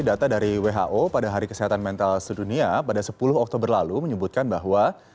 data dari who pada hari kesehatan mental sedunia pada sepuluh oktober lalu menyebutkan bahwa